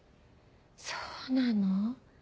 そうなの？